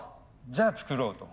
じゃあ作ろうと。